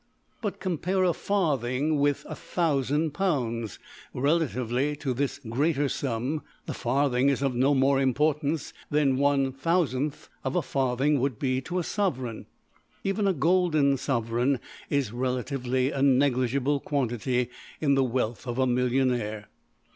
But compare a farthing with £$1000$: relatively to this greater sum, the farthing is of no more importance than $\frac$ of a farthing would be to a sovereign. Even a golden sovereign is relatively a negligible quantity in the wealth of a millionaire.